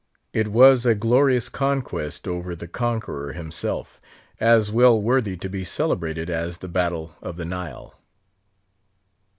It was a glorious conquest over the Conqueror himself, as well worthy to be celebrated as the Battle of the Nile.